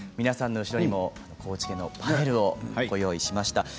皆さんの後ろにも高知県のパネルをご用意しました。